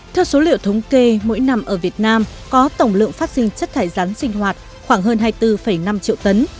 theo số liệu thống kê mỗi năm ở việt nam có tổng lượng phát sinh chất thải rắn sinh hoạt khoảng hơn hai mươi bốn năm triệu tấn